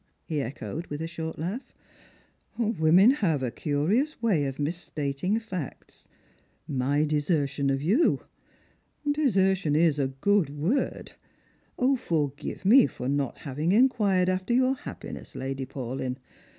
he echoed, with a short laugh; "women have a curious way of misstating facts. My desertion of you ! De sertion is a good word. Forgive me for not having inquired after your happiness, Lady Paulyn.